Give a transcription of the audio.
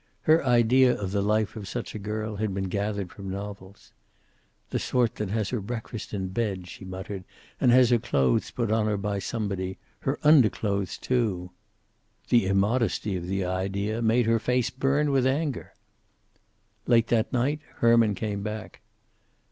Her idea of the life of such a girl had been gathered from novels. "The sort that has her breakfast in bed," she muttered, "and has her clothes put on her by somebody. Her underclothes, too!" The immodesty of the idea made her face burn with anger. Late that night Herman came back.